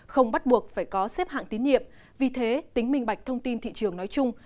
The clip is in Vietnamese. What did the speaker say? không bắt buộc phải có xếp hạng tín nhiệm vì thế tính minh bạch thông tin thị trường nói chung